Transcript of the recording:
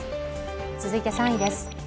続いて３位です。